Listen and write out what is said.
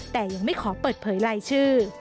แต่ยังไม่ขอเปิดเผยรายชื่อ